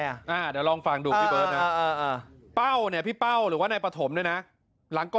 หยั่งลองฟังดูดพี่เบิร์ตนะ